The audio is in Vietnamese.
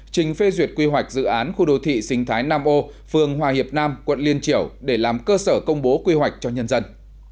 trình phê duyệt quy hoạch dự án khu đô thị sinh thái nam âu phường hòa hiệp nam quận liên triểu để làm cơ sở công bố quy hoạch cho nhân dân